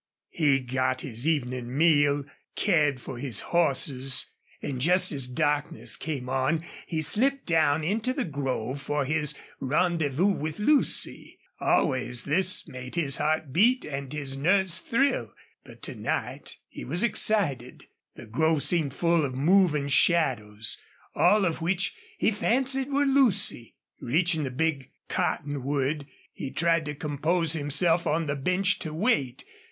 He got his evening meal, cared for his horses, and just as darkness came on he slipped down into the grove for his rendezvous with Lucy. Always this made his heart beat and his nerves thrill, but to night he was excited. The grove seemed full of moving shadows, all of which he fancied were Lucy. Reaching the big cottonwood, he tried to compose himself on the bench to wait.